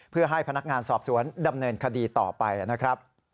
เพื่อให้พนักงานสอบสวนดำเนินคดีต่อไปนะครับ